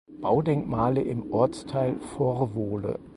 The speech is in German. Baudenkmale im Ortsteil Vorwohle.